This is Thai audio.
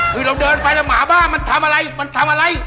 คือเราเดินไปแล้วหมาบ้ามันทำอะไรมันทำอะไร